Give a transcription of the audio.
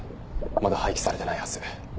まだ廃棄されてないはず。